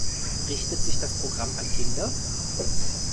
Richtet sich das Programm an Kinder?